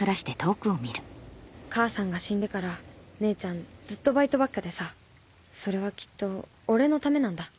母さんが死んでから姉ちゃんずっとバイトばっかでさそれはきっと俺のためなんだ。